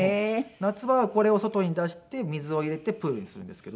夏場はこれを外に出して水を入れてプールにするんですけど。